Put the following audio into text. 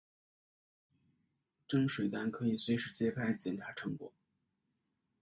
蒸水蛋可以随时揭开捡查成果。